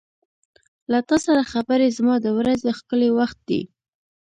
• له تا سره خبرې زما د ورځې ښکلی وخت دی.